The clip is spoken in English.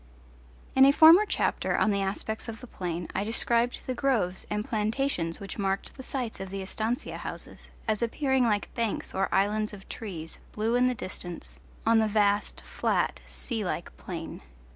In a former chapter on the aspects of the plain I described the groves and plantations, which marked the sites of the estancia houses, as appearing like banks or islands of trees, blue in the distance, on the vast flat sea like plain.